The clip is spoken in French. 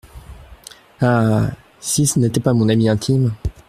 Ah ! si ce n’était pas mon ami intime !…